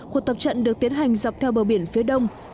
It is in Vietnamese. cuộc tập trận được tiến hành dọc theo bờ biển phía đông